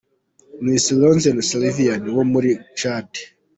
Miss Leloum Sylvaine wo muri Chad.